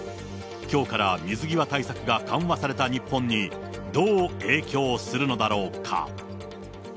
きょうから水際対策が緩和された日本に、どう影響するのだろうか。